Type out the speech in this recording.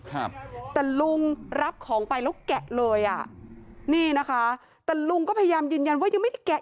ครับแต่ลุงรับของไปแล้วแกะเลยอ่ะนี่นะคะแต่ลุงก็พยายามยืนยันว่ายังไม่ได้แกะ